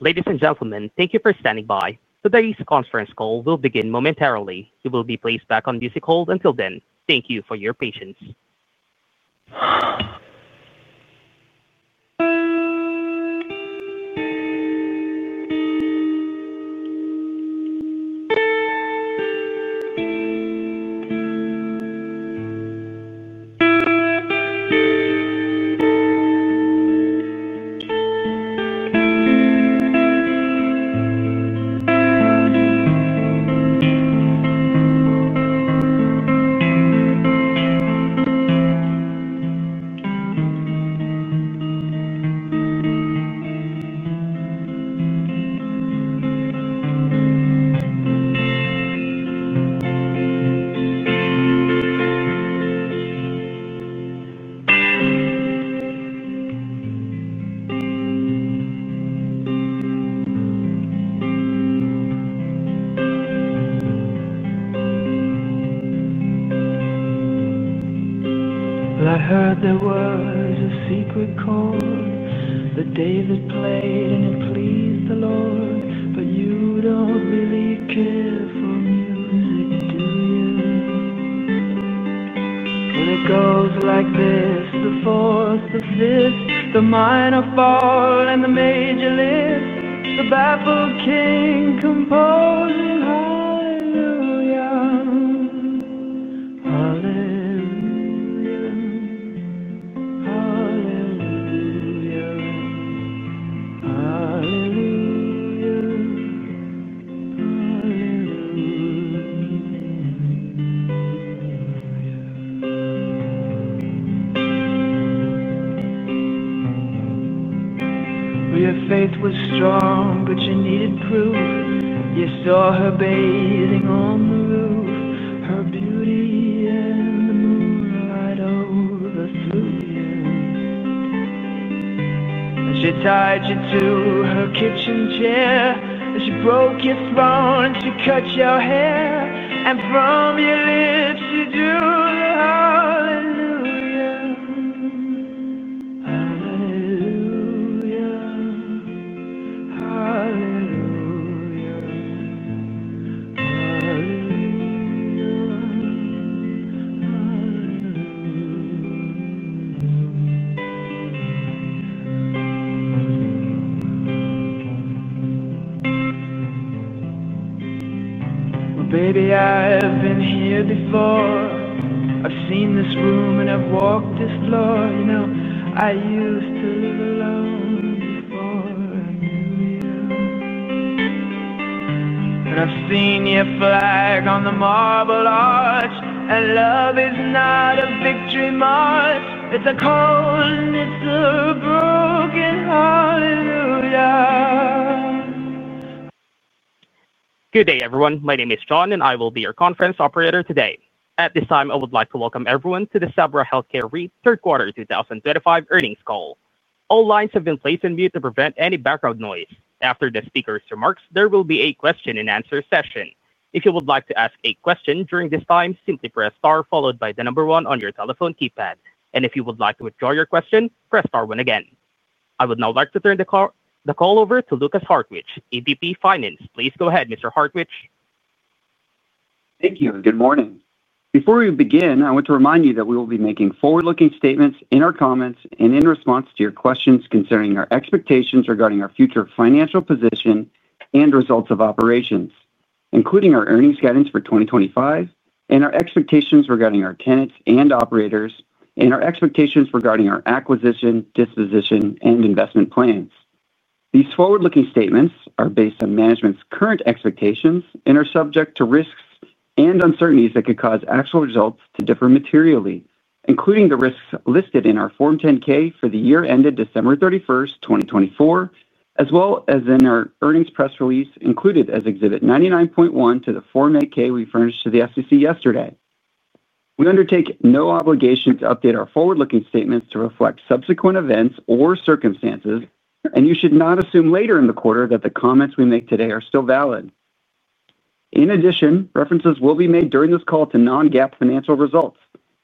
Ladies and gentlemen, thank you for standing by. Today's conference call will begin momentarily. You will be placed back on music hold until then. Thank you for your patience. I heard there was a secret chord the David played, and it pleased the Lord, but you do not really care for music, do you? It goes like this: the fourth, the fifth, the minor fall, and the major lift, the Baffled King composing hallelujah. Hallelujah. Hallelujah. Hallelujah. Hallelujah. Your faith was strong, but you needed proof. You saw her bathing on the roof, her beauty and the moonlight over you. It's a cold and it's a broken hallelujah. Good day, everyone. My name is John, and I will be your conference operator today. At this time, I would like to welcome everyone to the Sabra Health Care REIT Third Quarter 2025 Earnings Call. All lines have been placed on mute to prevent any background noise. After the speaker's remarks, there will be a question-and-answer session. If you would like to ask a question during this time, simply press star followed by the number one on your telephone keypad, and if you would like to withdraw your question, press star one again. I would now like to turn the call over to Lukas Hartwich, EVP Finance. Please go ahead, Mr. Hartwich. Thank you. Good morning. Before we begin, I want to remind you that we will be making forward-looking statements in our comments and in response to your questions concerning our expectations regarding our future financial position and results of operations, including our earnings guidance for 2025 and our expectations regarding our tenants and operators, and our expectations regarding our acquisition, disposition, and investment plans. These forward-looking statements are based on management's current expectations and are subject to risks and uncertainties that could cause actual results to differ materially, including the risks listed in our Form 10-K for the year ended December 31st, 2024, as well as in our earnings press release included as Exhibit 99.1 to the Form 8-K we furnished to the SEC yesterday. We undertake no obligation to update our forward-looking statements to reflect subsequent events or circumstances, and you should not assume later in the quarter that the comments we make today are still valid. In addition, references will be made during this call to non-GAAP financial results.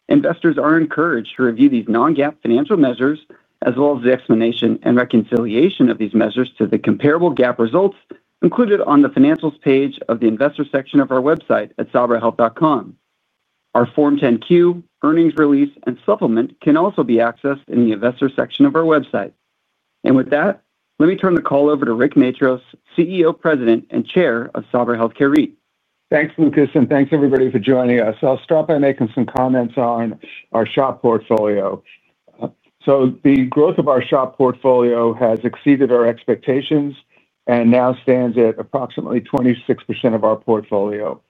Investors are encouraged to review these non-GAAP financial measures as well as the explanation and reconciliation of these measures to the comparable GAAP results included on the financials page of the investor section of our website at sabrahealth.com. Our Form 10-Q earnings release and supplement can also be accessed in the investor section of our website. With that, let me turn the call over to Rick Matros, CEO, President, and Chair of Sabra Health Care REIT. Thanks, Lukas, and thanks, everybody, for joining us. I'll start by making some comments on our SHOP portfolio. The growth of our SHOP portfolio has exceeded our expectations and now stands at approximately 26% of our portfolio.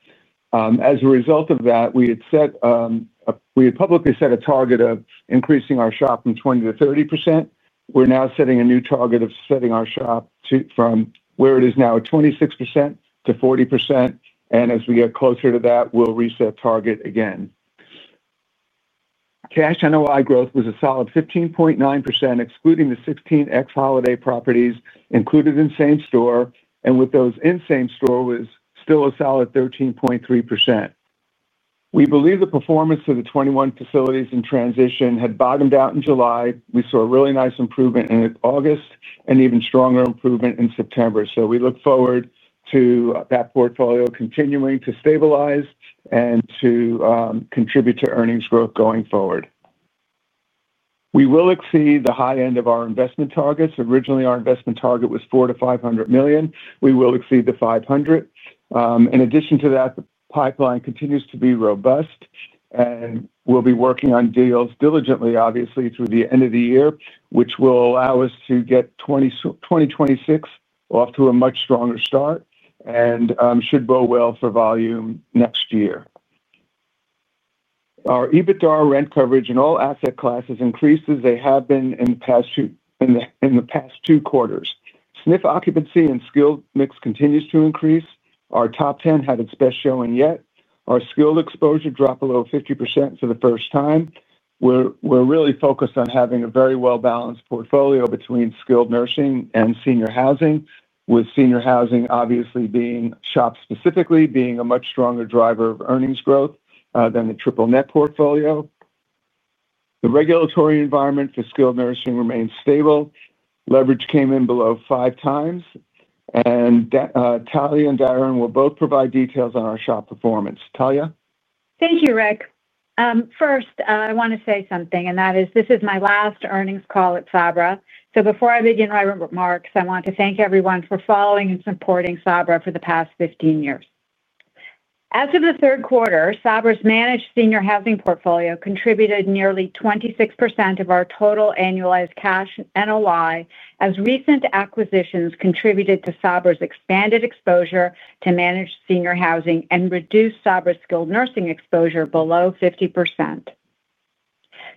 As a result of that, we had publicly set a target of increasing our SHOP from 20% to 30%. We're now setting a new target of setting our SHOP from where it is now at 26% to 40%, and as we get closer to that, we'll reset target again. Cash NOI growth was a solid 15.9%, excluding the 16 ex-Holiday properties included in same store, and with those in same store was still a solid 13.3%. We believe the performance of the 21 facilities in transition had bottomed out in July. We saw a really nice improvement in August and even stronger improvement in September. We look forward to that portfolio continuing to stabilize and to contribute to earnings growth going forward. We will exceed the high end of our investment targets. Originally, our investment target was $400 million-$500 million. We will exceed the $500 million. In addition to that, the pipeline continues to be robust, and we'll be working on deals diligently, obviously, through the end of the year, which will allow us to get 2026 off to a much stronger start and should bode well for volume next year. Our EBITDA rent coverage in all asset classes increased as they have been in the past two quarters. SNF occupancy and skilled mix continues to increase. Our top 10 had its best showing yet. Our skilled exposure dropped below 50% for the first time. We're really focused on having a very well-balanced portfolio between skilled nursing and senior housing, with senior housing obviously being SHOP specifically being a much stronger driver of earnings growth than the triple-net portfolio. The regulatory environment for skilled nursing remains stable. Leverage came in below five times. Talya and Darrin will both provide details on our SHOP performance. Talya? Thank you, Rick. First, I want to say something, and that is this is my last earnings call at Sabra. So before I begin my remarks, I want to thank everyone for following and supporting Sabra for the past 15 years. As of the third quarter, Sabra's managed senior housing portfolio contributed nearly 26% of our total annualized cash NOI, as recent acquisitions contributed to Sabra's expanded exposure to managed senior housing and reduced Sabra's skilled nursing exposure below 50%.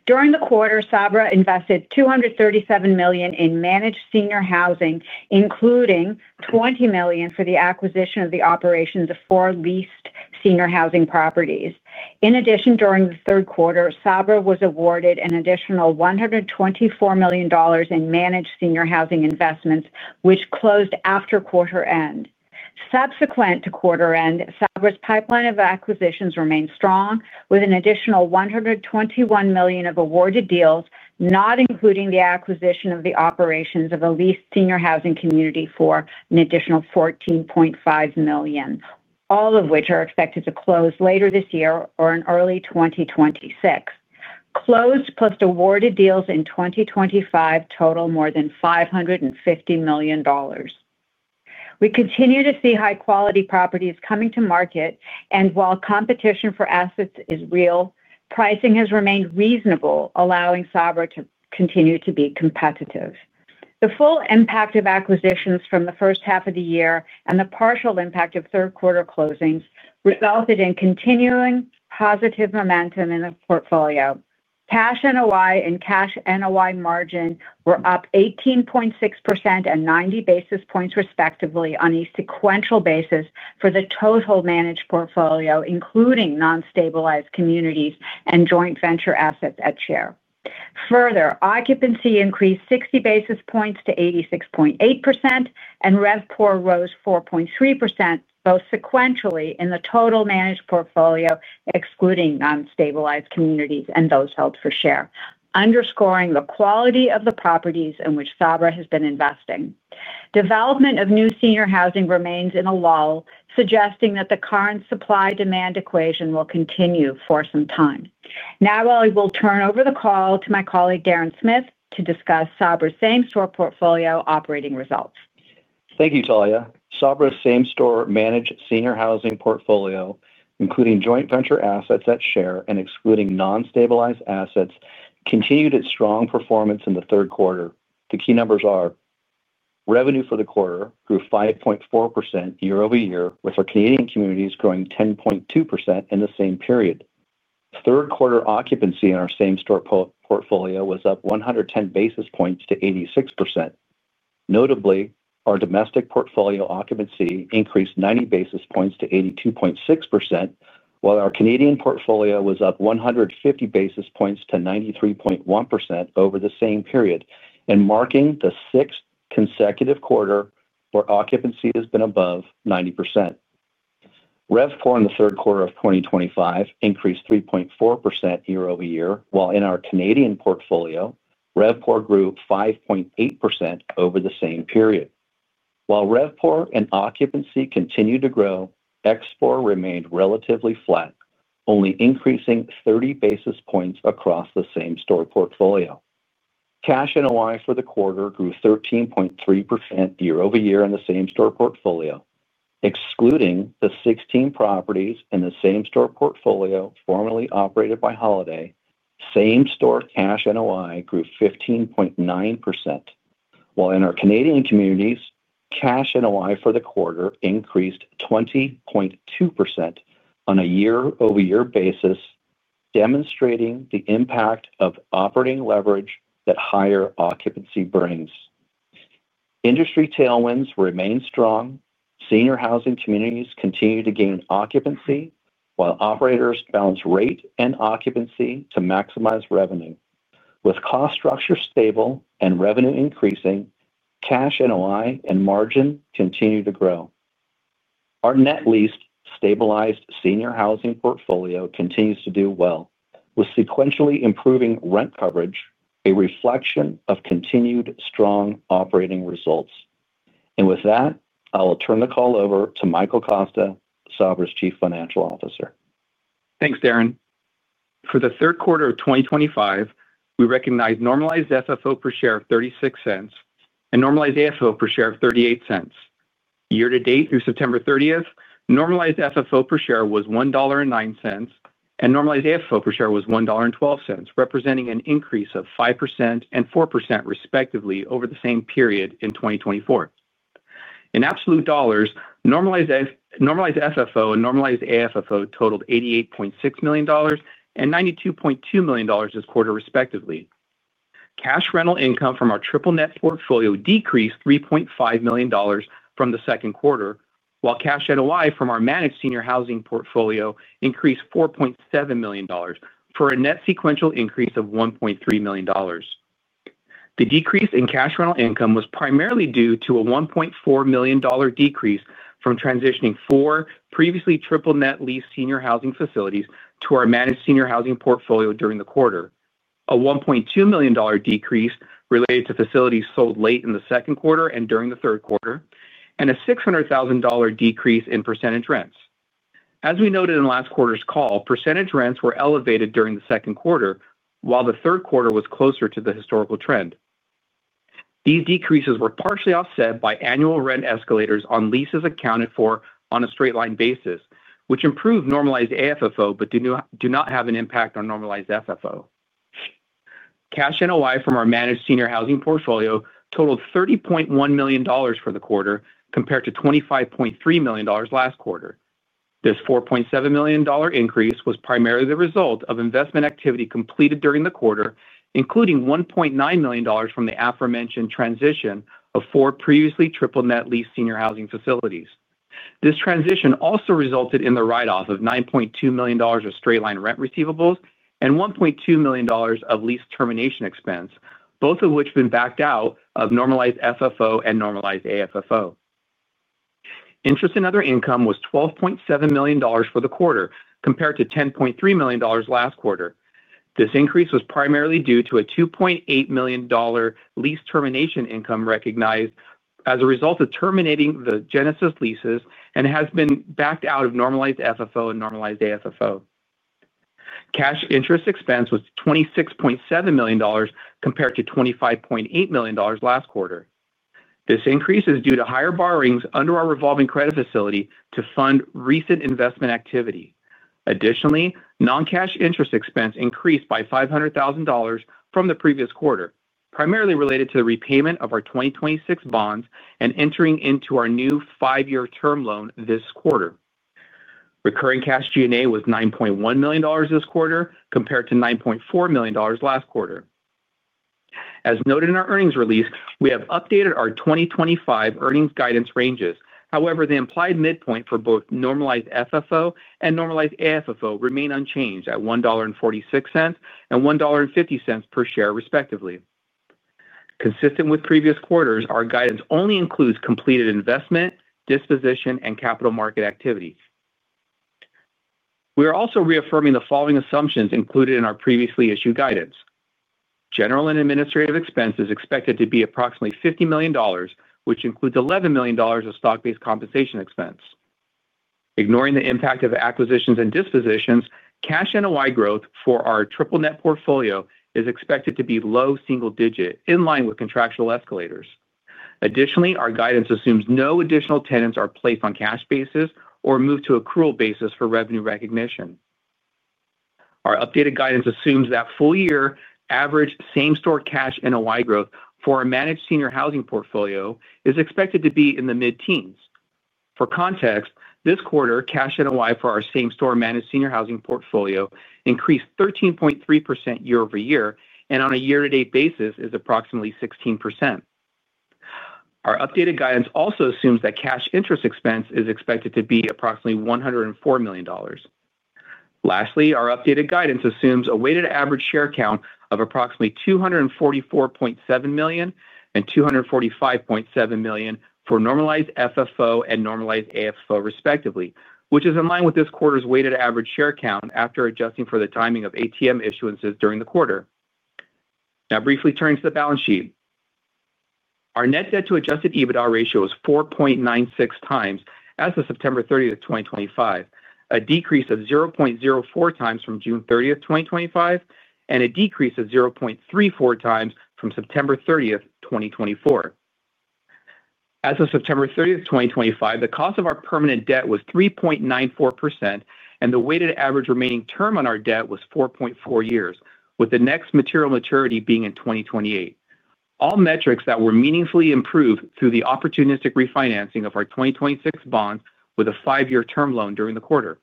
During the quarter, Sabra invested $237 million in managed senior housing, including $20 million for the acquisition of the operations of four leased senior housing properties. In addition, during the third quarter, Sabra was awarded an additional $124 million in managed senior housing investments, which closed after quarter-end. Subsequent to quarter-end, Sabra's pipeline of acquisitions remained strong, with an additional $121 million of awarded deals, not including the acquisition of the operations of a leased senior housing community for an additional $14.5 million, all of which are expected to close later this year or in early 2026. Closed plus awarded deals in 2025 total more than $550 million. We continue to see high-quality properties coming to market, and while competition for assets is real, pricing has remained reasonable, allowing Sabra to continue to be competitive. The full impact of acquisitions from the first half of the year and the partial impact of third-quarter closings resulted in continuing positive momentum in the portfolio. Cash and NOI and cash and NOI margin were up 18.6% and 90 basis points respectively on a sequential basis for the total managed portfolio, including non-stabilized communities and joint venture assets at share. Further, occupancy increased 60 basis points to 86.8%, and RevPAR rose 4.3% both sequentially in the total managed portfolio, excluding non-stabilized communities and those held for sale, underscoring the quality of the properties in which Sabra has been investing. Development of new senior housing remains in a lull, suggesting that the current supply-demand equation will continue for some time. Now, I will turn over the call to my colleague, Darrin Smith, to discuss Sabra's same store portfolio operating results. Thank you, Talya. Sabra's same store managed senior housing portfolio, including joint venture assets at share and excluding non-stabilized assets, continued its strong performance in the third quarter. The key numbers are. Revenue for the quarter grew 5.4% year over year, with our Canadian communities growing 10.2% in the same period. Third-quarter occupancy in our same store portfolio was up 110 basis points to 86%. Notably, our domestic portfolio occupancy increased 90 basis points to 82.6%, while our Canadian portfolio was up 150 basis points to 93.1% over the same period, marking the sixth consecutive quarter where occupancy has been above 90%. RevPAR in the third quarter of 2025 increased 3.4% year over year, while in our Canadian portfolio, RevPAR grew 5.8% over the same period. While RevPAR and occupancy continued to grow, expense per occupied room remained relatively flat, only increasing 30 basis points across the same store portfolio. Cash NOI for the quarter grew 13.3% year over year in the same store portfolio. Excluding the 16 properties in the same store portfolio formerly operated by Holiday, same store cash NOI grew 15.9%. While in our Canadian communities, cash NOI for the quarter increased 20.2% on a year-over-year basis, demonstrating the impact of operating leverage that higher occupancy brings. Industry tailwinds remain strong. Senior housing communities continue to gain occupancy, while operators balance rate and occupancy to maximize revenue. With cost structure stable and revenue increasing, cash NOI and margin continue to grow. Our net leased stabilized senior housing portfolio continues to do well, with sequentially improving rent coverage, a reflection of continued strong operating results. I will turn the call over to Michael Costa, Sabra's Chief Financial Officer. Thanks, Darrin. For the third quarter of 2025, we recognize normalized FFO per share of $0.36 and normalized AFFO per share of $0.38. Year-to-date through September 30, normalized FFO per share was $1.09, and normalized AFFO per share was $1.12, representing an increase of 5% and 4% respectively over the same period in 2024. In absolute dollars, normalized FFO and normalized AFFO totaled $88.6 million and $92.2 million this quarter respectively. Cash rental income from our triple-net portfolio decreased $3.5 million from the second quarter, while cash NOI from our managed senior housing portfolio increased $4.7 million, for a net sequential increase of $1.3 million. The decrease in cash rental income was primarily due to a $1.4 million decrease from transitioning four previously triple-net leased senior housing facilities to our managed senior housing portfolio during the quarter, a $1.2 million decrease related to facilities sold late in the second quarter and during the third quarter, and a $600,000 decrease in percentage rents. As we noted in last quarter's call, percentage rents were elevated during the second quarter, while the third quarter was closer to the historical trend. These decreases were partially offset by annual rent escalators on leases accounted for on a straight-line basis, which improved normalized AFFO but do not have an impact on normalized FFO. Cash NOI from our managed senior housing portfolio totaled $30.1 million for the quarter compared to $25.3 million last quarter. This $4.7 million increase was primarily the result of investment activity completed during the quarter, including $1.9 million from the aforementioned transition of four previously triple-net leased senior housing facilities. This transition also resulted in the write-off of $9.2 million of straight-line rent receivables and $1.2 million of lease termination expense, both of which have been backed out of normalized FFO and normalized AFFO. Interest and other income was $12.7 million for the quarter compared to $10.3 million last quarter. This increase was primarily due to a $2.8 million lease termination income recognized as a result of terminating the Genesis leases and has been backed out of normalized FFO and normalized AFFO. Cash interest expense was $26.7 million compared to $25.8 million last quarter. This increase is due to higher borrowings under our revolving credit facility to fund recent investment activity. Additionally, non-cash interest expense increased by $500,000 from the previous quarter, primarily related to the repayment of our 2026 bonds and entering into our new five-year term loan this quarter. Recurring cash G&A was $9.1 million this quarter compared to $9.4 million last quarter. As noted in our earnings release, we have updated our 2025 earnings guidance ranges. However, the implied midpoint for both normalized FFO and normalized AFFO remains unchanged at $1.46 and $1.50 per share, respectively. Consistent with previous quarters, our guidance only includes completed investment, disposition, and capital market activity. We are also reaffirming the following assumptions included in our previously issued guidance. General and administrative expense is expected to be approximately $50 million, which includes $11 million of stock-based compensation expense. Ignoring the impact of acquisitions and dispositions, cash NOI growth for our triple-net portfolio is expected to be low single digit, in line with contractual escalators. Additionally, our guidance assumes no additional tenants are placed on cash basis or moved to accrual basis for revenue recognition. Our updated guidance assumes that full-year average same-store cash NOI growth for our managed senior housing portfolio is expected to be in the mid-teens. For context, this quarter, cash and NOI for our same-store managed senior housing portfolio increased 13.3% year over year and on a year-to-date basis is approximately 16%. Our updated guidance also assumes that cash interest expense is expected to be approximately $104 million. Lastly, our updated guidance assumes a weighted average share count of approximately $244.7 million and $245.7 million for normalized FFO and normalized AFFO, respectively, which is in line with this quarter's weighted average share count after adjusting for the timing of ATM issuances during the quarter. Now, briefly turning to the balance sheet. Our net debt-to-adjusted EBITDA ratio is 4.96 times as of September 30th, 2025, a decrease of 0.04 times from June 30th, 2025, and a decrease of 0.34 times from September 30th, 2024. As of September 30th, 2025, the cost of our permanent debt was 3.94%, and the weighted average remaining term on our debt was 4.4 years, with the next material maturity being in 2028. All metrics that were meaningfully improved through the opportunistic refinancing of our 2026 bonds with a five-year term loan during the quarter.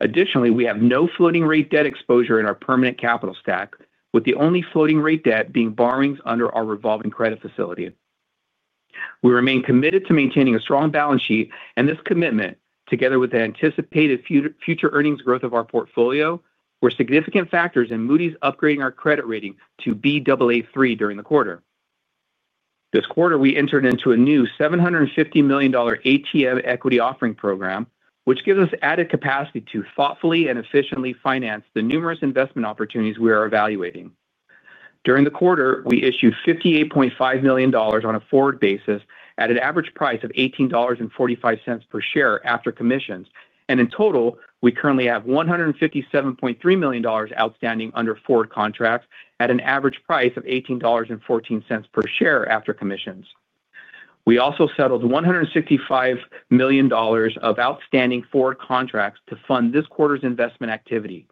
Additionally, we have no floating-rate debt exposure in our permanent capital stack, with the only floating-rate debt being borrowings under our revolving credit facility. We remain committed to maintaining a strong balance sheet, and this commitment, together with the anticipated future earnings growth of our portfolio, were significant factors in Moody's upgrading our credit rating to Baa3 during the quarter. This quarter, we entered into a new $750 million ATM equity offering program, which gives us added capacity to thoughtfully and efficiently finance the numerous investment opportunities we are evaluating. During the quarter, we issued $58.5 million on a forward basis at an average price of $18.45 per share after commissions, and in total, we currently have $157.3 million outstanding under forward contracts at an average price of $18.14 per share after commissions. We also settled $165 million of outstanding forward contracts to fund this quarter's investment activity.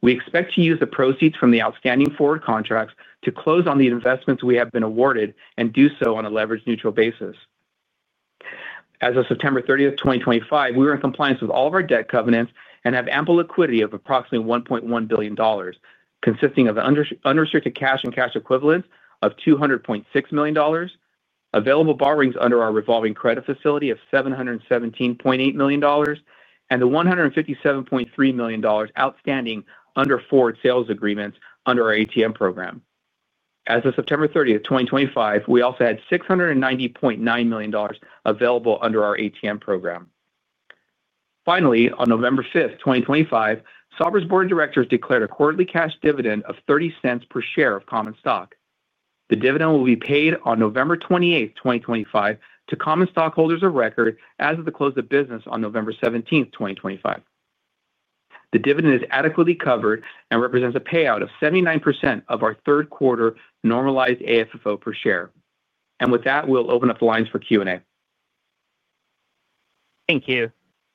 We expect to use the proceeds from the outstanding forward contracts to close on the investments we have been awarded and do so on a leverage-neutral basis. As of September 30th, 2025, we are in compliance with all of our debt covenants and have ample liquidity of approximately $1.1 billion, consisting of unrestricted cash and cash equivalents of $200.6 million, available borrowings under our revolving credit facility of $717.8 million, and the $157.3 million outstanding under forward sales agreements under our ATM program. As of September 30th, 2025, we also had $690.9 million available under our ATM program. Finally, on November 5th, 2025, Sabra's board of directors declared a quarterly cash dividend of $0.30 per share of common stock. The dividend will be paid on November 28th, 2025, to common stockholders of record as of the close of business on November 17th, 2025. The dividend is adequately covered and represents a payout of 79% of our third-quarter normalized AFFO per share. With that, we'll open up the lines for Q&A. Thank you.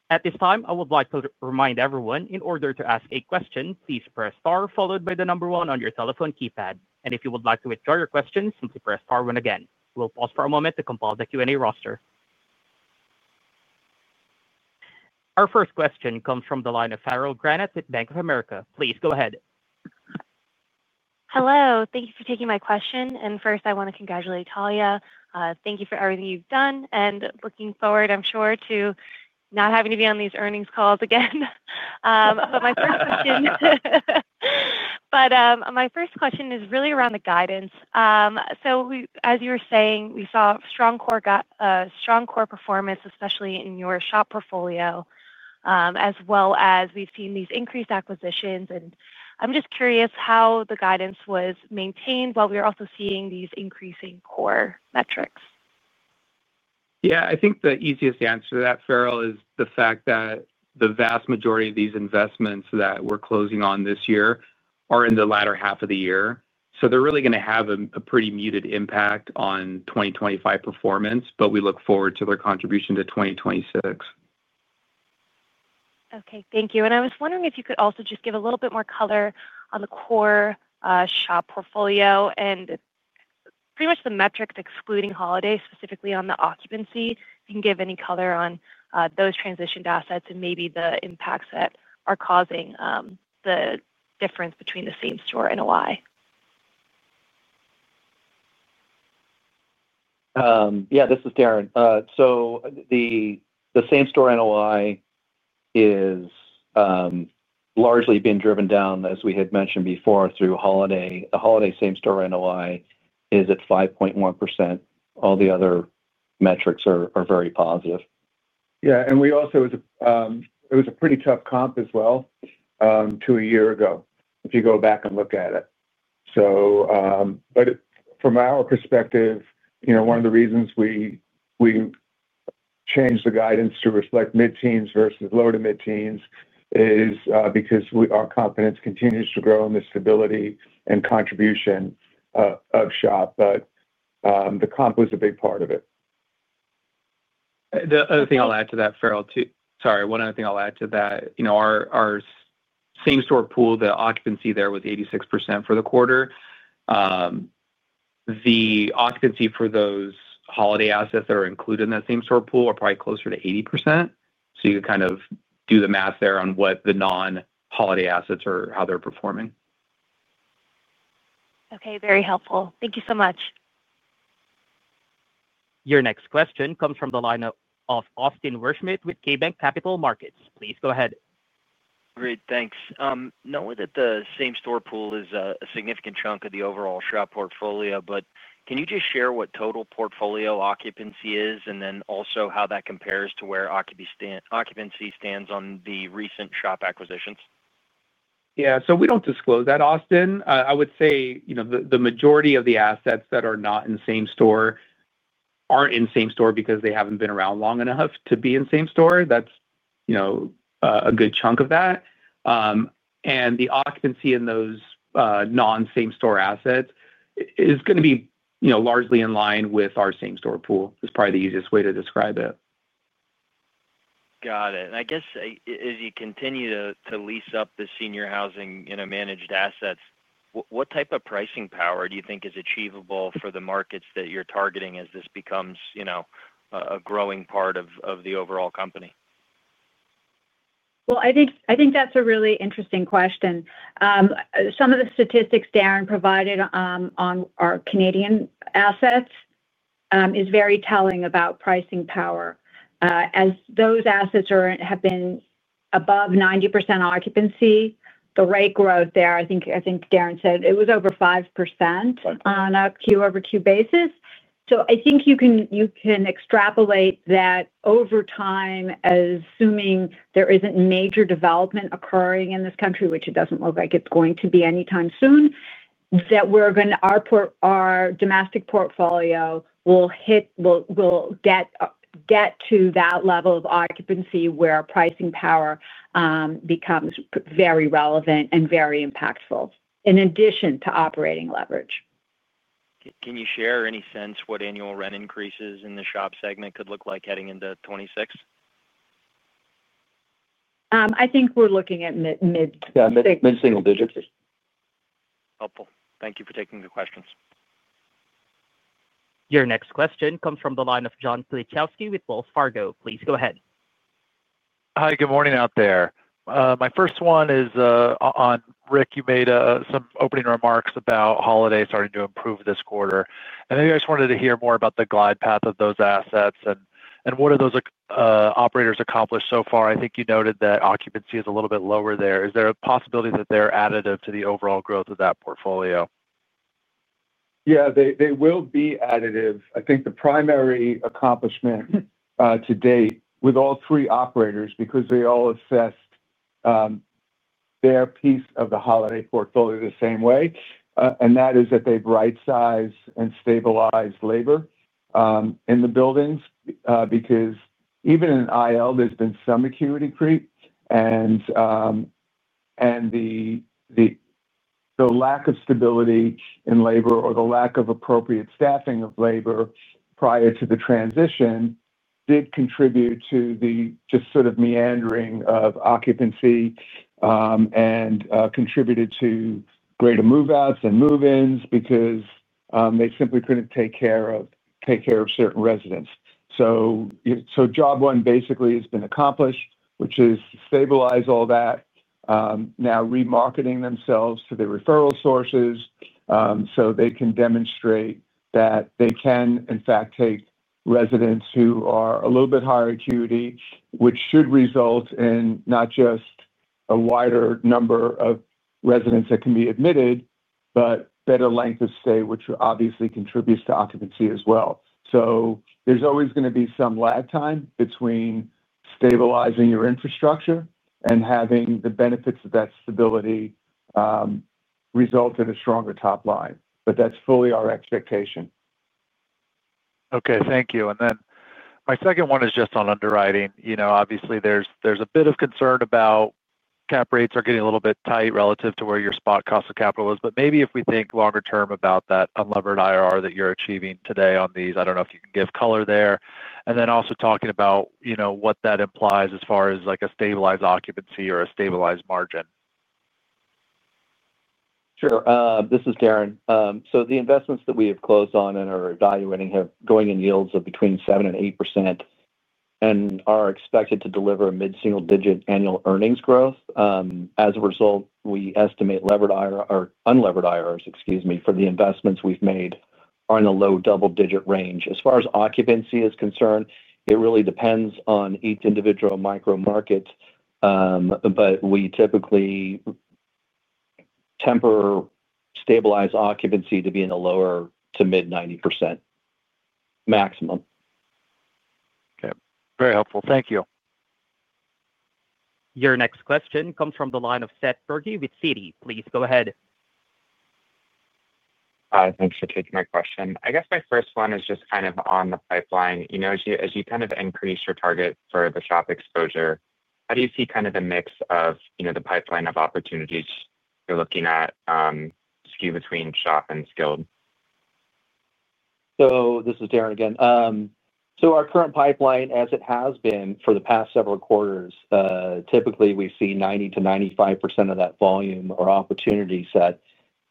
At this time, I would like to remind everyone, in order to ask a question, please press star followed by the number one on your telephone keypad. If you would like to withdraw your question, simply press star one again. We'll pause for a moment to compile the Q&A roster. Our first question comes from the line of Farrell Granath with Bank of America. Please go ahead. Hello. Thank you for taking my question. First, I want to congratulate Talya. Thank you for everything you've done. Looking forward, I'm sure, to not having to be on these earnings calls again. My first question is really around the guidance. As you were saying, we saw strong core performance, especially in your SHOP portfolio, as well as we've seen these increased acquisitions. I'm just curious how the guidance was maintained while we were also seeing these increasing core metrics. Yeah, I think the easiest answer to that, Farrell, is the fact that the vast majority of these investments that we're closing on this year are in the latter half of the year. So they're really going to have a pretty muted impact on 2025 performance, but we look forward to their contribution to 2026. Okay, thank you. I was wondering if you could also just give a little bit more color on the core SHOP portfolio and pretty much the metrics, excluding Holiday, specifically on the occupancy. If you can give any color on those transitioned assets and maybe the impacts that are causing the difference between the same store NOI. Yeah, this is Darrin. The same store NOI has largely been driven down, as we had mentioned before, through Holiday. The Holiday same store NOI is at 5.1%. All the other metrics are very positive. Yeah, and we also, it was a pretty tough comp as well. To a year ago, if you go back and look at it. From our perspective, you know, one of the reasons we changed the guidance to reflect mid-teens versus low to mid-teens is because our confidence continues to grow in the stability and contribution of SHOP. The comp was a big part of it. The other thing I'll add to that, Farrell, too, sorry, one other thing I'll add to that, you know, our same store pool, the occupancy there was 86% for the quarter. The occupancy for those Holiday assets that are included in that same store pool are probably closer to 80%. You can kind of do the math there on what the non-Holiday assets are or how they're performing. Okay, very helpful. Thank you so much. Your next question comes from the line of Austin Wurschmidt with KeyBanc Capital Markets. Please go ahead. Great, thanks. Knowing that the same store pool is a significant chunk of the overall SHOP portfolio, but can you just share what total portfolio occupancy is and then also how that compares to where occupancy stands on the recent SHOP acquisitions? Yeah, so we do not disclose that, Austin. I would say, you know, the majority of the assets that are not in same store are not in same store because they have not been around long enough to be in same store. That is, you know, a good chunk of that. And the occupancy in those non-same store assets is going to be, you know, largely in line with our same store pool. It is probably the easiest way to describe it. Got it. As you continue to lease up the senior housing and managed assets, what type of pricing power do you think is achievable for the markets that you're targeting as this becomes, you know, a growing part of the overall company? I think that's a really interesting question. Some of the statistics Darrin provided on our Canadian assets are very telling about pricing power. As those assets have been above 90% occupancy, the rate growth there, I think Darrin said it was over 5% on a Q over Q basis. I think you can extrapolate that over time, assuming there isn't major development occurring in this country, which it doesn't look like it's going to be anytime soon, that our domestic portfolio will get to that level of occupancy where pricing power becomes very relevant and very impactful, in addition to operating leverage. Can you share any sense what annual rent increases in the SHOP segment could look like heading into 2026? I think we're looking at mid. Yeah, mid-single digits. Helpful. Thank you for taking the questions. Your next question comes from the line of John Kilichowski with Wells Fargo. Please go ahead. Hi, good morning out there. My first one is. On Rick, you made some opening remarks about Holiday starting to improve this quarter. I think I just wanted to hear more about the glide path of those assets and what have those operators accomplished so far. I think you noted that occupancy is a little bit lower there. Is there a possibility that they're additive to the overall growth of that portfolio? Yeah, they will be additive. I think the primary accomplishment to date with all three operators, because they all assessed their piece of the Holiday portfolio the same way, is that they have right-sized and stabilized labor in the buildings, because even in IL, there has been some acuity creep. The lack of stability in labor or the lack of appropriate staffing of labor prior to the transition did contribute to the just sort of meandering of occupancy and contributed to greater move-outs and move-ins because they simply could not take care of certain residents. Job one basically has been accomplished, which is stabilize all that. Now they are remarketing themselves to the referral sources so they can demonstrate that they can, in fact, take residents who are a little bit higher acuity, which should result in not just a wider number of residents that can be admitted, but better length of stay, which obviously contributes to occupancy as well. There is always going to be some lag time between stabilizing your infrastructure and having the benefits of that stability result in a stronger top line. That is fully our expectation. Okay, thank you. My second one is just on underwriting. You know, obviously there's a bit of concern about cap rates are getting a little bit tight relative to where your spot cost of capital is. Maybe if we think longer term about that unlevered IRR that you're achieving today on these, I don't know if you can give color there. Also talking about, you know, what that implies as far as like a stabilized occupancy or a stabilized margin. Sure. This is Darrin. The investments that we have closed on and are evaluating here are going in yields of between 7% and 8% and are expected to deliver mid-single digit annual earnings growth. As a result, we estimate levered IRRs, excuse me, for the investments we've made are in the low double digit range. As far as occupancy is concerned, it really depends on each individual micro market. We typically temper, stabilize occupancy to be in the lower to mid 90% maximum. Okay, very helpful. Thank you. Your next question comes from the line of Seth Bergey with Citi. Please go ahead. Hi, thanks for taking my question. I guess my first one is just kind of on the pipeline. You know, as you kind of increase your target for the SHOP exposure, how do you see kind of the mix of, you know, the pipeline of opportunities you're looking at. Skew between SHOP and skilled? This is Darrin again. Our current pipeline, as it has been for the past several quarters, typically we see 90%-95% of that volume or opportunity set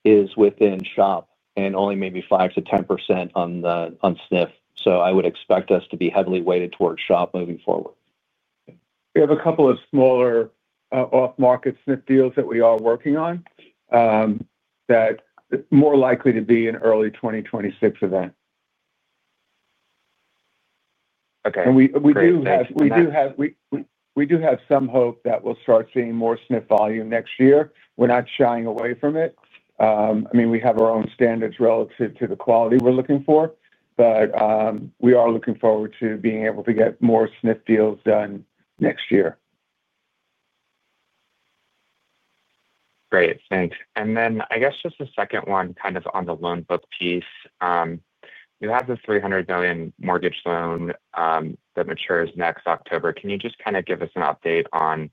is within SHOP and only maybe 5%-10% on SNF. I would expect us to be heavily weighted towards SHOP moving forward. We have a couple of smaller off-market SNF deals that we are working on that are more likely to be an early 2026 event. Okay. We do have. That's interesting. We do have some hope that we'll start seeing more SNF volume next year. We're not shying away from it. I mean, we have our own standards relative to the quality we're looking for. But we are looking forward to being able to get more SNF deals done next year. Great, thanks. I guess just a second one, kind of on the loan book piece. You have the $300 million mortgage loan that matures next October. Can you just kind of give us an update on,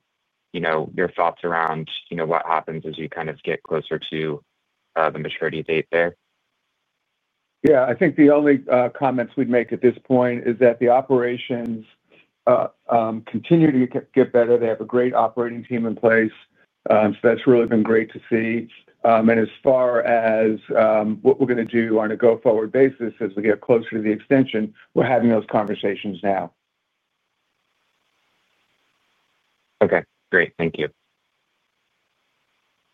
you know, your thoughts around, you know, what happens as you kind of get closer to the maturity date there? Yeah, I think the only comments we'd make at this point is that the operations continue to get better. They have a great operating team in place. That has really been great to see. As far as what we're going to do on a go-forward basis as we get closer to the extension, we're having those conversations now. Okay, great. Thank you.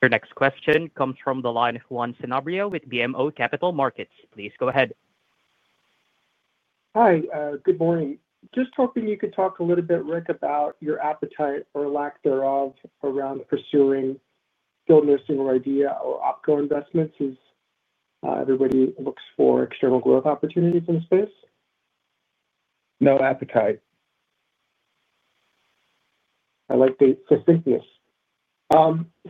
Your next question comes from the line of Juan Sanabria with BMO Capital Markets. Please go ahead. Hi, good morning. Just hoping you could talk a little bit, Rick, about your appetite or lack thereof around pursuing, building a single idea or opco investments as everybody looks for external growth opportunities in the space. No appetite. I like the succinctness.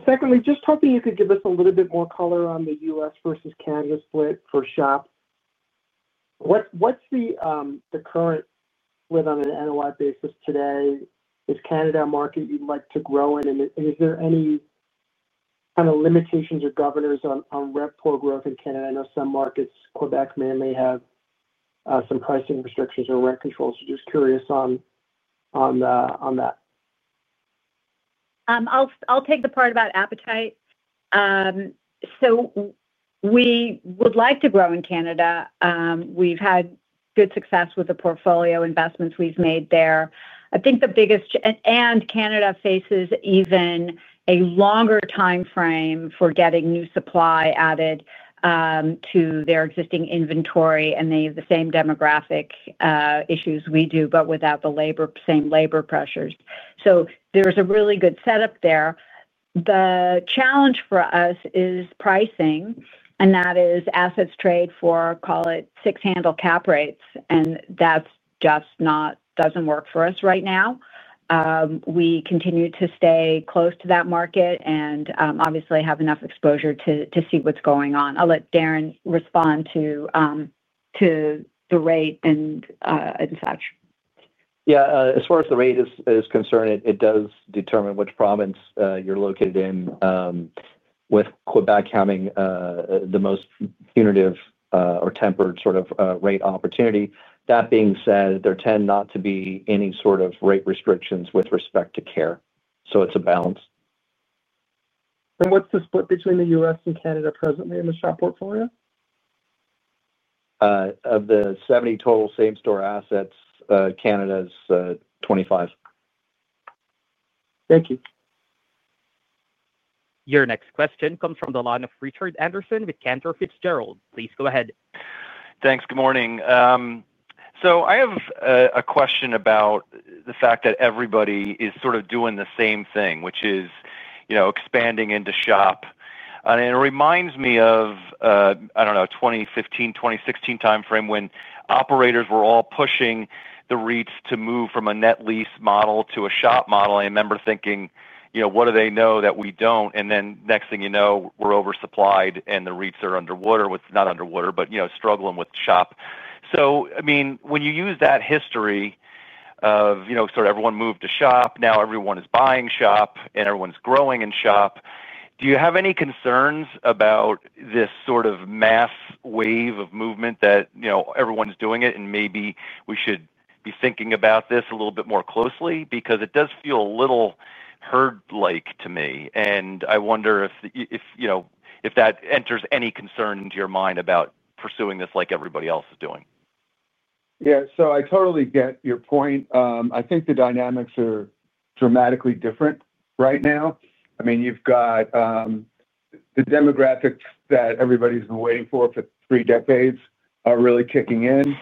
Secondly, just hoping you could give us a little bit more color on the U.S. versus Canada split for SHOP. What's the current split on an NOI basis today? Is Canada a market you'd like to grow in? Is there any kind of limitations or governors on rent or growth in Canada? I know some markets, Quebec may or may have some pricing restrictions or rent controls. Just curious on that. I'll take the part about appetite. We would like to grow in Canada. We've had good success with the portfolio investments we've made there. I think the biggest, and Canada faces even a longer time frame for getting new supply added to their existing inventory. They have the same demographic issues we do, but without the same labor pressures. There's a really good setup there. The challenge for us is pricing, and that is assets trade for, call it, six handle cap rates. That just doesn't work for us right now. We continue to stay close to that market and obviously have enough exposure to see what's going on. I'll let Darrin respond to the rate and such. Yeah, as far as the rate is concerned, it does determine which province you're located in. With Quebec having the most punitive or tempered sort of rate opportunity. That being said, there tend not to be any sort of rate restrictions with respect to care. So it's a balance. What's the split between the U.S. and Canada presently in the SHOP portfolio? Of the 70 total same-store assets, Canada's 25. Thank you. Your next question comes from the line of Richard Anderson with Cantor Fitzgerald. Please go ahead. Thanks. Good morning. I have a question about the fact that everybody is sort of doing the same thing, which is, you know, expanding into SHOP. It reminds me of, I do not know, 2015, 2016 time frame when operators were all pushing the REITs to move from a net lease model to a SHOP model. I remember thinking, you know, what do they know that we do not? Next thing you know, we are oversupplied and the REITs are underwater, not underwater, but, you know, struggling with SHOP. I mean, when you use that history of, you know, sort of everyone moved to SHOP, now everyone is buying SHOP and everyone is growing in SHOP. Do you have any concerns about this sort of mass wave of movement that, you know, everyone is doing it and maybe we should be thinking about this a little bit more closely? Because it does feel a little herd-like to me. I wonder if, you know, if that enters any concern into your mind about pursuing this like everybody else is doing. Yeah, so I totally get your point. I think the dynamics are dramatically different right now. I mean, you've got the demographics that everybody's been waiting for for three decades are really kicking in.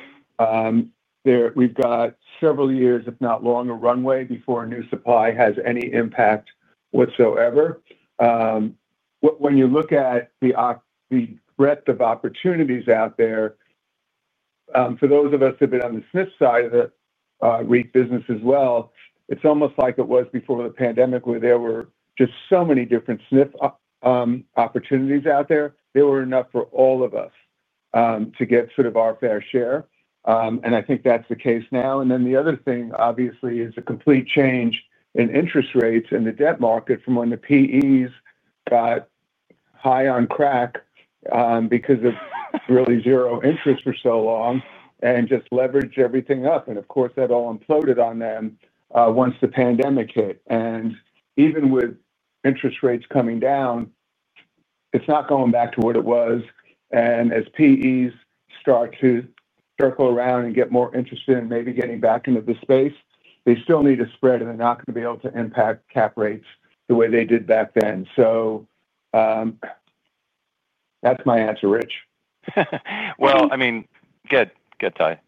We've got several years, if not longer, a runway before new supply has any impact whatsoever. When you look at the breadth of opportunities out there, for those of us that have been on the SNF side of the REIT business as well, it's almost like it was before the pandemic, where there were just so many different SNF opportunities out there. There were enough for all of us to get sort of our fair share. I think that's the case now. The other thing, obviously, is a complete change in interest rates in the debt market from when the PEs got high on crack. Because of really zero interest for so long and just leveraged everything up. Of course, that all imploded on them once the pandemic hit. Even with interest rates coming down, it's not going back to what it was. As PEs start to circle around and get more interested in maybe getting back into the space, they still need to spread and they're not going to be able to impact cap rates the way they did back then. That's my answer, Rich. I mean, good, good, Ty.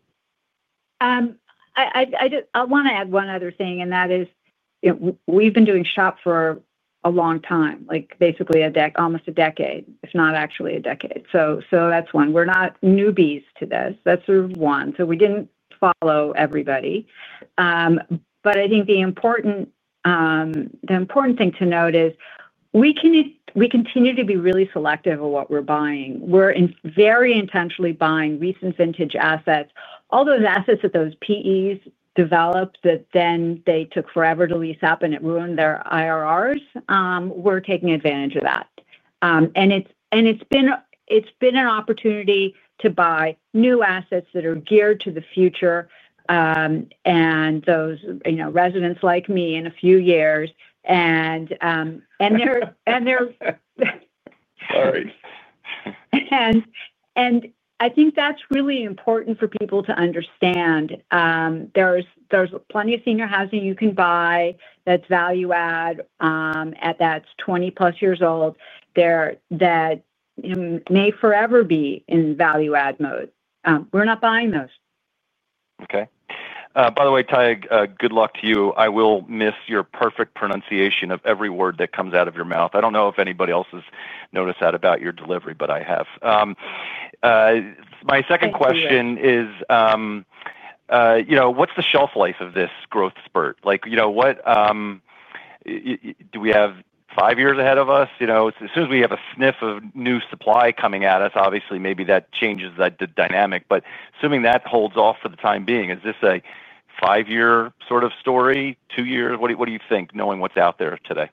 I want to add one other thing, and that is, we've been doing SHOP for a long time, like basically a decade, almost a decade, if not actually a decade. That's one. We're not newbies to this. That's one. We did not follow everybody. I think the important thing to note is we continue to be really selective of what we're buying. We're very intentionally buying recent vintage assets, all those assets that those PEs developed that then they took forever to lease up and it ruined their IRRs. We're taking advantage of that. It has been an opportunity to buy new assets that are geared to the future. Those, you know, residents like me in a few years. They're. Sorry. I think that's really important for people to understand. There's plenty of senior housing you can buy that's value add. That's 20 plus years old. That may forever be in value add mode. We're not buying those. Okay. By the way, Ty, good luck to you. I will miss your perfect pronunciation of every word that comes out of your mouth. I do not know if anybody else has noticed that about your delivery, but I have. My second question is, you know, what is the shelf life of this growth spurt? Like, you know, what, do we have five years ahead of us? You know, as soon as we have a sniff of new supply coming at us, obviously, maybe that changes that dynamic. Assuming that holds off for the time being, is this a five-year sort of story, two years? What do you think, knowing what is out there today?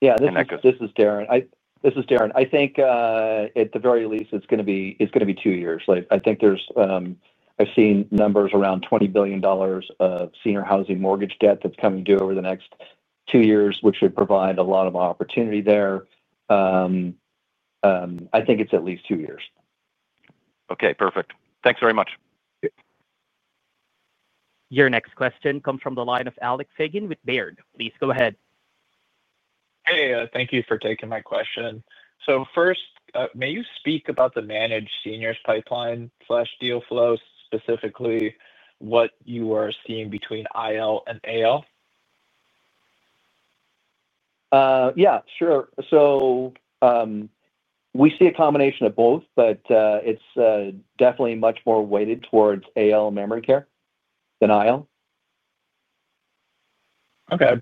Yeah, this is Darrin. I think at the very least, it's going to be two years. I think there's, I've seen numbers around $20 billion of senior housing mortgage debt that's coming due over the next two years, which should provide a lot of opportunity there. I think it's at least two years. Okay, perfect. Thanks very much. Your next question comes from the line of Alex Fagan with Baird. Please go ahead. Hey, thank you for taking my question. First, may you speak about the managed senior housing pipeline or deal flow, specifically what you are seeing between IL and AL? Yeah, sure. We see a combination of both, but it's definitely much more weighted towards AL memory care than IL. Okay.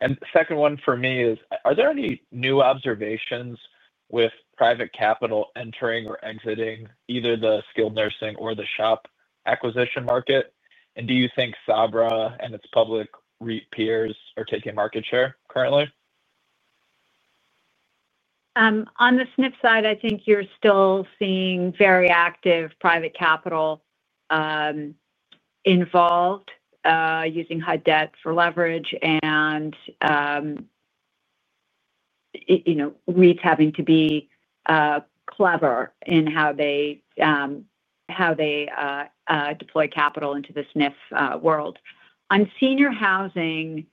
The second one for me is, are there any new observations with private capital entering or exiting either the skilled nursing or the SHOP acquisition market? Do you think Sabra and its public REIT peers are taking market share currently? On the SNF side, I think you're still seeing very active private capital involved using high debt for leverage. You know, REITs having to be clever in how they deploy capital into the SNF world. On senior housing,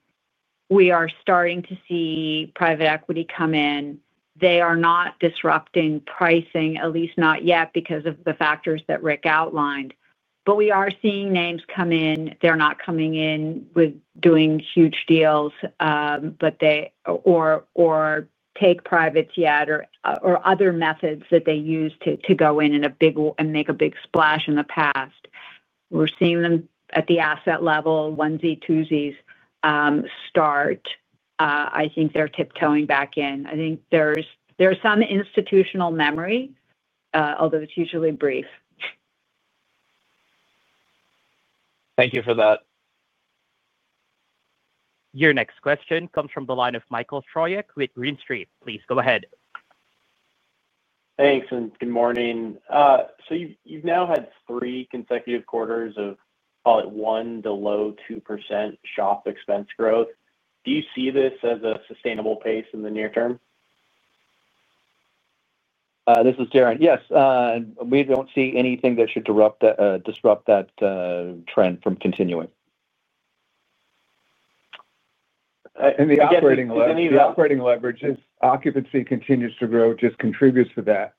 we are starting to see private equity come in. They are not disrupting pricing, at least not yet, because of the factors that Rick outlined. We are seeing names come in. They're not coming in with doing huge deals, or take privates yet, or other methods that they use to go in and make a big splash in the past. We're seeing them at the asset level, onesies, twosies. Start. I think they're tiptoeing back in. I think there's some institutional memory, although it's usually brief. Thank you for that. Your next question comes from the line of Michael Stroyeck with Green Street. Please go ahead. Thanks and good morning. You have now had three consecutive quarters of, call it, 1-2% SHOP expense growth. Do you see this as a sustainable pace in the near term? This is Darrin. Yes. We do not see anything that should disrupt that trend from continuing. The operating leverage. Any of the operating leverage, if occupancy continues to grow, just contributes to that.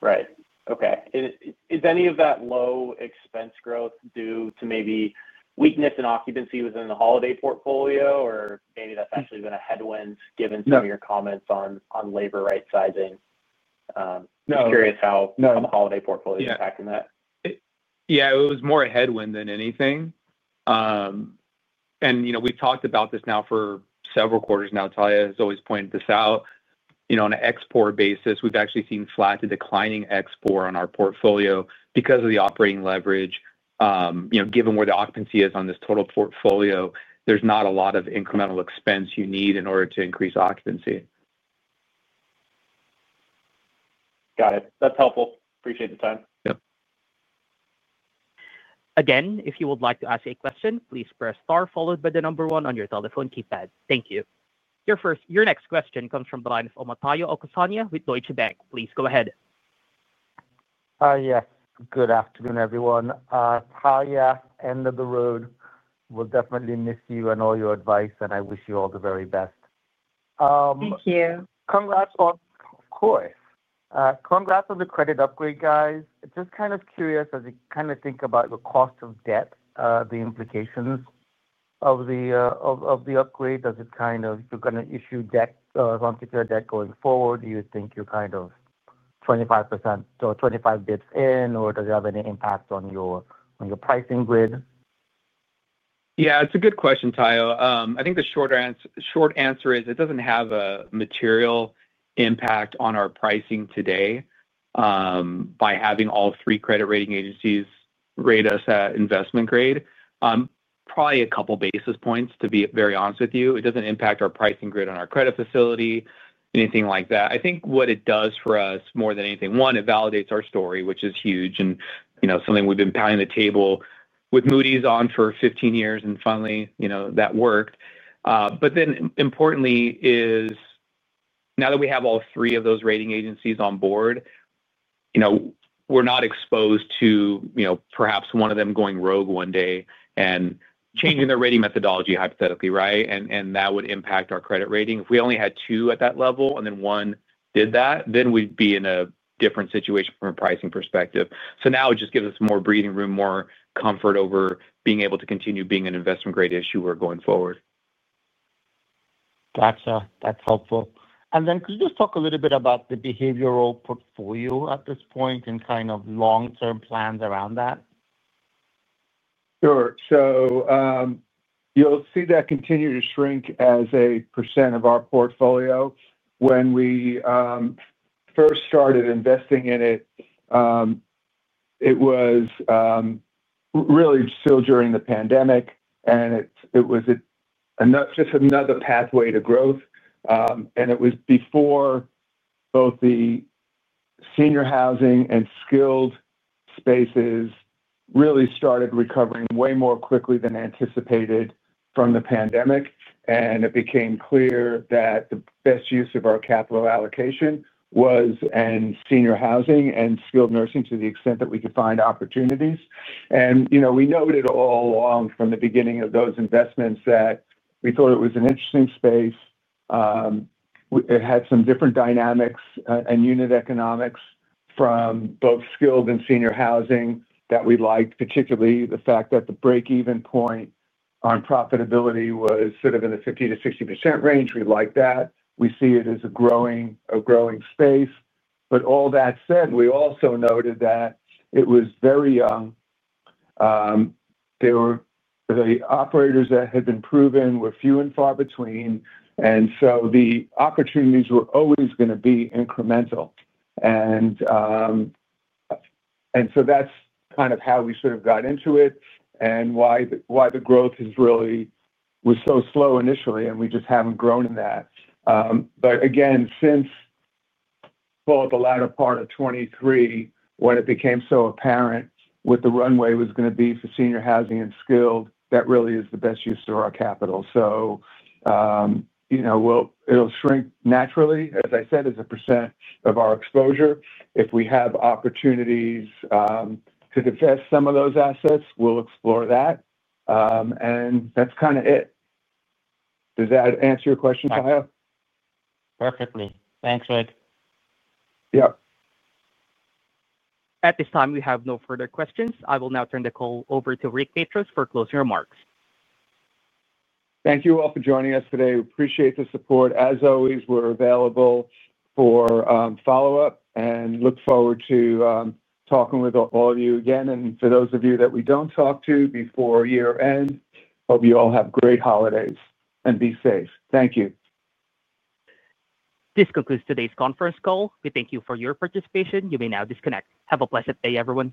Right. Okay. Is any of that low expense growth due to maybe weakness in occupancy within the Holiday portfolio, or maybe that's actually been a headwind given some of your comments on labor right sizing? No. Just curious how the Holiday portfolio is impacting that. Yeah, it was more a headwind than anything. You know, we've talked about this now for several quarters now. Talya has always pointed this out. You know, on an export basis, we've actually seen flat to declining export on our portfolio because of the operating leverage. You know, given where the occupancy is on this total portfolio, there's not a lot of incremental expense you need in order to increase occupancy. Got it. That's helpful. Appreciate the time. Yep. Again, if you would like to ask a question, please press star followed by the number one on your telephone keypad. Thank you. Your next question comes from the line of Omotayo Okusanya with Deutsche Bank. Please go ahead. Yes. Good afternoon, everyone. Talya, end of the road. We'll definitely miss you and all your advice, and I wish you all the very best. Thank you. Congrats on, of course. Congrats on the credit upgrade, guys. Just kind of curious, as you kind of think about the cost of debt, the implications of the upgrade, does it kind of, you're going to issue debt, volunteer debt going forward? Do you think you're kind of 25% or 25 basis points in, or does it have any impact on your pricing grid? Yeah, it's a good question, Tayo. I think the short answer is it doesn't have a material impact on our pricing today. By having all three credit rating agencies rate us at investment grade. Probably a couple basis points, to be very honest with you. It doesn't impact our pricing grid on our credit facility, anything like that. I think what it does for us more than anything, one, it validates our story, which is huge, and, you know, something we've been pounding the table with Moody's on for 15 years, and finally, you know, that worked. Importantly, now that we have all three of those rating agencies on board, you know, we're not exposed to, you know, perhaps one of them going rogue one day and changing their rating methodology, hypothetically, right? That would impact our credit rating. If we only had two at that level and then one did that, then we'd be in a different situation from a pricing perspective. Now it just gives us more breathing room, more comfort over being able to continue being an investment-grade issuer going forward. Gotcha. That's helpful. Could you just talk a little bit about the behavioral portfolio at this point and kind of long-term plans around that? Sure. You'll see that continue to shrink as a percent of our portfolio. When we first started investing in it, it was really still during the pandemic, and it was just another pathway to growth. It was before both the senior housing and skilled spaces really started recovering way more quickly than anticipated from the pandemic. It became clear that the best use of our capital allocation was in senior housing and skilled nursing to the extent that we could find opportunities. You know, we noted all along from the beginning of those investments that we thought it was an interesting space. It had some different dynamics and unit economics from both skilled and senior housing that we liked, particularly the fact that the break-even point on profitability was sort of in the 50%-60% range. We liked that. We see it as a growing space. All that said, we also noted that it was very young. The operators that had been proven were few and far between, so the opportunities were always going to be incremental. That is kind of how we got into it and why the growth was so slow initially, and we just have not grown in that. Again, since the latter part of 2023, when it became so apparent what the runway was going to be for senior housing and skilled, that really is the best use of our capital. You know, it will shrink naturally, as I said, as a percent of our exposure. If we have opportunities to invest some of those assets, we will explore that. That is kind of it. Does that answer your question, Tayo? Perfectly. Thanks, Rick. Yep. At this time, we have no further questions. I will now turn the call over to Rick Matros for closing remarks. Thank you all for joining us today. We appreciate the support. As always, we're available for follow-up and look forward to talking with all of you again. For those of you that we don't talk to before year-end, hope you all have great holidays and be safe. Thank you. This concludes today's conference call. We thank you for your participation. You may now disconnect. Have a pleasant day, everyone.